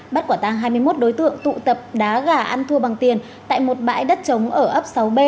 bắt quả tàng hai mươi một đối tượng tụ tập đá gà ăn thua bằng tiền tại một bãi đất trống ở ấp sáu b